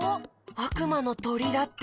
「あくまのとり」だって。